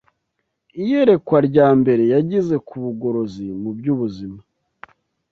Iyerekwa rya Mbere Yagize ku Bugorozi mu by’Ubuzima